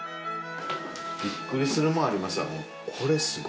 びっくりするものありますよ。